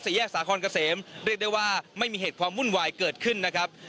แยกสาคอนเกษมเรียกได้ว่าไม่มีเหตุความวุ่นวายเกิดขึ้นนะครับ